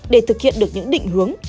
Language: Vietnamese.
để thực hiện được những định hướng